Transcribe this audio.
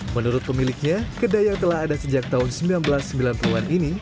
menurut pemiliknya kedai yang telah ada sejak tahun seribu sembilan ratus sembilan puluh an ini